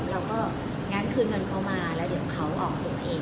เราก็งั้นคืนเงินเขามาแล้วเดี๋ยวเขาออกตัวเอง